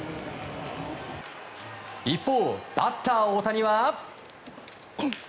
一方、バッター大谷は。